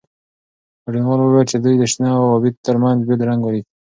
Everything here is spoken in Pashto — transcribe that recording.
ګډونوالو وویل چې دوی د شنه او ابي ترمنځ بېل رنګ ولید.